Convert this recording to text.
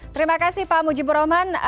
terima kasih pak mujib roman